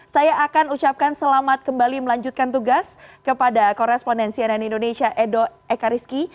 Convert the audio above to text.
saya akan ucapkan selamat kembali melanjutkan tugas kepada korespondensi ann indonesia edo ekariski